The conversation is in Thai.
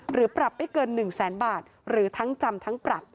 หรือปรับไม่เกิน๑แสนบาทหรือทั้งจำทั้งปรับ